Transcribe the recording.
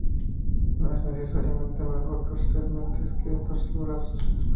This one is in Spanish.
No es necesariamente mejor torcer mentes que torcer brazos.